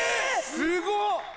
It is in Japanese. すごっ！